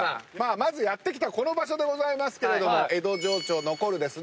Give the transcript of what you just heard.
まずやって来たこの場所でございますけども江戸情緒残るですね